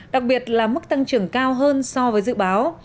đặc biệt là mức tăng trưởng cao hơn so với dự báo